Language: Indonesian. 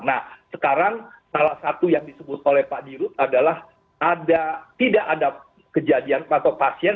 nah sekarang salah satu yang disebut oleh pak dirut adalah tidak ada kejadian atau pasien